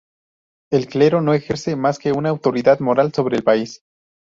El clero no ejerce más que una autoridad moral sobre el país.